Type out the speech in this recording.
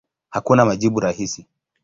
Hakuna majibu rahisi.